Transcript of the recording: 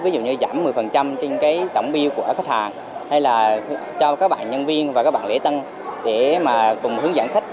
ví dụ như giảm một mươi trên cái tổng biêu của khách hàng hay là cho các bạn nhân viên và các bạn lễ tân để mà cùng hướng dẫn khách